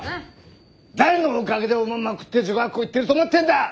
誰のおかげでおまんま食って女学校行ってると思ってんだ！